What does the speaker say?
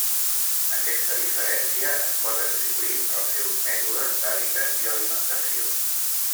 Aquesta diferència es pot atribuir als seus mètodes d'hàbitat i alimentació.